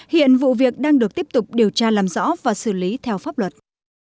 hiện vụ việc đang được tiếp tục điều tra làm rõ và xử lý theo pháp luật